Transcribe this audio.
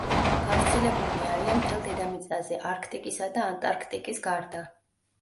გავრცელებული არიან მთელ დედამიწაზე, არქტიკისა და ანტარქტიკის გარდა.